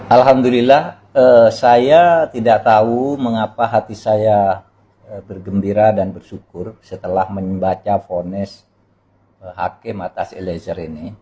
alhamdulillah saya tidak tahu mengapa hati saya bergembira dan bersyukur setelah membaca ponis hakim atas eliezer ini